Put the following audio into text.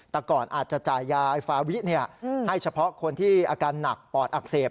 แต่ก่อนอาจจะจ่ายยาไอฟาวิให้เฉพาะคนที่อาการหนักปอดอักเสบ